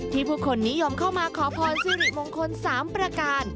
ผู้คนนิยมเข้ามาขอพรสิริมงคล๓ประการ